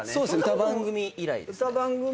歌番組以来ですね。